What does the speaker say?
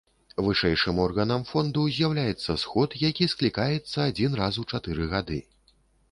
Вышэйшым органам фонду з'яўляецца сход, які склікаецца адзін раз у чатыры гады.